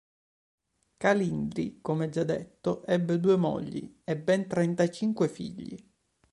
Calindri, come già detto, ebbe due mogli e ben trentacinque figli.